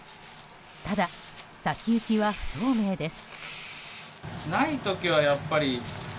ただ、先行きは不透明です。